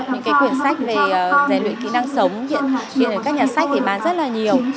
những cái quyển sách về rèn luyện kỹ năng sống hiện ở các nhà sách thì bán rất là nhiều